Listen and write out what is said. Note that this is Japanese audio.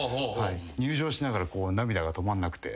入場しながら涙が止まんなくて。